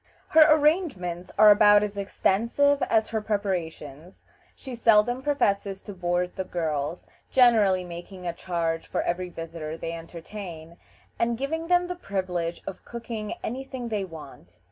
Her arrangements are about as extensive as her preparations. She seldom professes to board the girls, generally making a charge for every visitor they entertain, and giving them the privilege of cooking any thing they want.